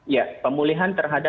ya pemulihan terhadap